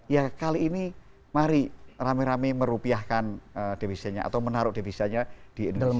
ya kali ini mari rame rame merupiahkan devisanya atau menaruh devisanya di indonesia